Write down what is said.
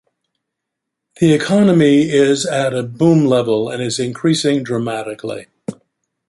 The economy is at a boom level and is increasing dramatically.